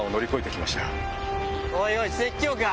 おいおい説教か？